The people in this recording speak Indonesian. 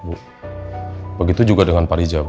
begitu juga dengan pak rija